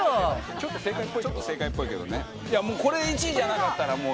ちょっと正解っぽいけどね。